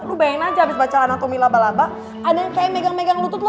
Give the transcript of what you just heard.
lu bayangin aja abis bacaan akumi laba laba ada yang kayak megang megang lutut lah